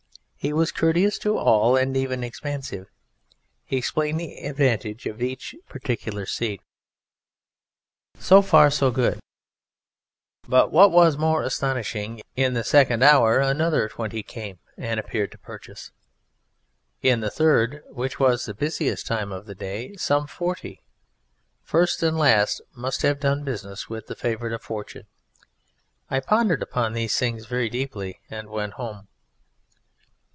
He was courteous to all, and even expansive. He explained the advantage of each particular seat. So far so good; but, what was more astonishing, in the second hour another twenty came and appeared to purchase; in the third (which was the busiest time of the day) some forty, first and last, must have done business with the Favourite of Fortune. I pondered upon these things very deeply, and went home.